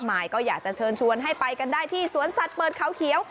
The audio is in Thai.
หมายก็อยากจะเชิญชวนให้ไปกันได้ที่สวนสัตว์เปิดเขาเขียว